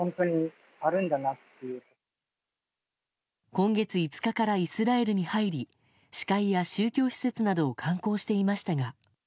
今月５日からイスラエルに入り死海や宗教施設などを観光していましたが。